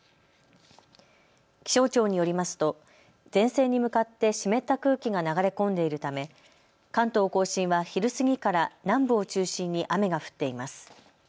気象庁によりますと前線に向かって湿った空気が流れ込んでいるため関東甲信は昼過ぎから南部を中心に雨が降っています。